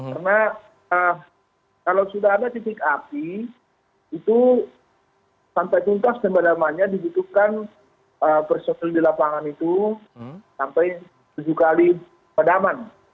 karena kalau sudah ada titik api itu sampai tuntas tempat amannya dibutuhkan personil di lapangan itu sampai tujuh kali padaman